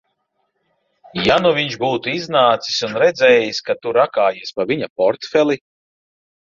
Ja nu viņš būtu iznācis un redzējis, ka tu rakājies pa viņa portfeli?